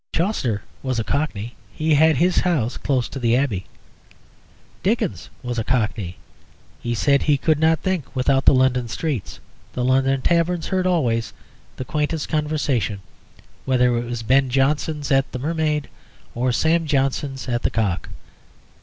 Chaucer was a Cockney; he had his house close to the Abbey. Dickens was a Cockney; he said he could not think without the London streets. The London taverns heard always the quaintest conversation, whether it was Ben Johnson's at the Mermaid or Sam Johnson's at the Cock.